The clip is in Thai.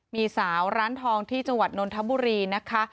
มีสาวร้านทองที่จังหวัดนนทบุรีนะคะ